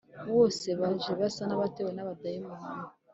bose baje basa n abatewe n abadayimoni